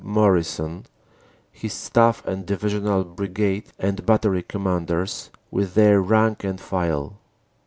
B. Morrison, his Staff and Divisional Brigade and Battery Commanders, with their rank and file.